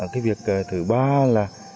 cái việc thứ ba là